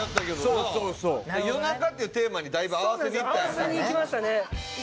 合わせにいきましたね。